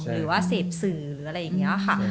หรือว่าเสพสื่อหรืออะไรอย่างนี้ค่ะ